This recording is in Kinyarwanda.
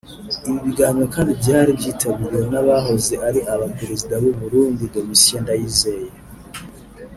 Ibi biganiro kandi byari byitabiriwe n’abahoze ari ba Perezida b’u Burundi; Domitien Ndayizeye